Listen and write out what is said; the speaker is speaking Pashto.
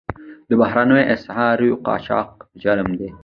د بهرنیو اسعارو قاچاق جرم دی